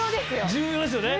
重要ですよね！